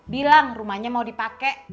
bilang rumahnya mau dipake